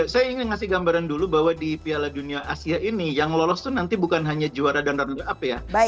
saya ingin kasih gambaran dulu bahwa di piala dunia asia ini yang lolos itu nanti bukan hanya juara dan runner up ya